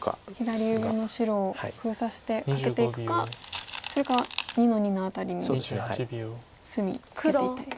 左上の白を封鎖してカケていくかそれか２の二の辺りに隅ツケていったり。